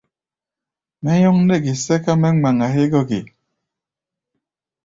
Mɛ́ nyɔ́ŋ nɛ́ ge sɛ́ká mɛ́ ŋmaŋa hégɔ́ ge?